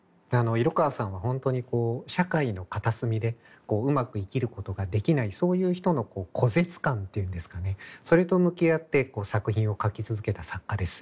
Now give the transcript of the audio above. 色川さんは本当に社会の片隅でうまく生きることができないそういう人の孤絶感っていうんですかねそれと向き合って作品を書き続けた作家です。